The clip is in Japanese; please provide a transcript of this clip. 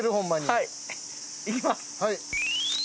はい。